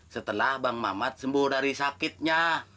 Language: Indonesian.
setelah bang mamat sembuh dari sakitnya